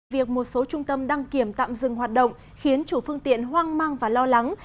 việc một số trung tâm đăng kiểm tạm dừng hoạt động khiến chủ phương tiện hoang mang và lo lắng